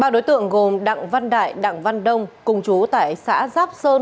ba đối tượng gồm đặng văn đại đặng văn đông cùng chú tại xã giáp sơn